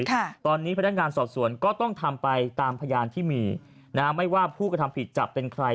ค่ะตอนนี้พนักงานสอบสวนก็ต้องทำไปตามพยานที่มีนะฮะไม่ว่าผู้กระทำผิดจะเป็นใคร